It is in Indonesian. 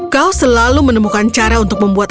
kau selalu menemukan cara untuk membuat